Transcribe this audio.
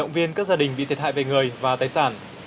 động viên các gia đình bị thiệt hại về người và tài sản